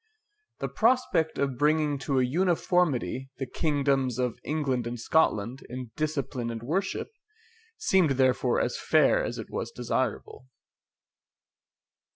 The prospect of bringing to a uniformity the kingdoms of England and Scotland in discipline and worship, seemed therefore as fair as it was desirable.